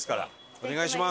お願いします！